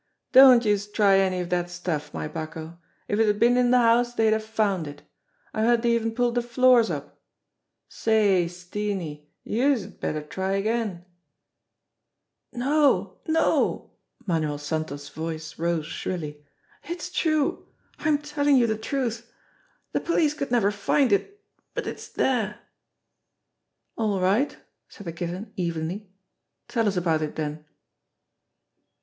Don't youse try any of dat stuff, my bucko! If it'd been in de house dey'd have found it. I heard dey even pulled de floors up. Say, Steenie, youse' d better try again !" "No, no!" Manuel Santos' voice rose shrilly. "It's true! J'm telling you the truth. The police could never find it, but it's there." "All right," said the Kitten evenly. "Tell us about it, den."